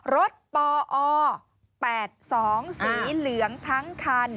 รถปอ๘๒สีเหลืองทั้งคัน